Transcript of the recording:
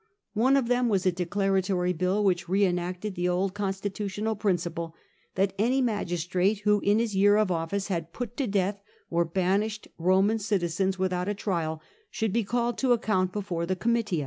One of them was a declaratory bill, which re enacted the old constitutional principle that any magistrate who in his year of oflSce had put to death or banished Roman citmens without a trial should be called to account before the Oomitia.